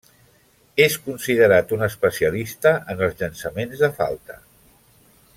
És considerat un especialista en els llançaments de falta.